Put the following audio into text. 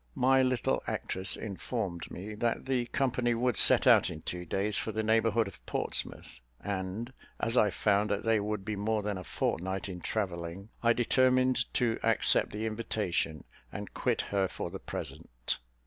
My little actress informed me that the company would set out in two days for the neighbourhood of Portsmouth; and, as I found that they would be more than a fortnight in travelling, I determined to accept the invitation, and quit her for the present.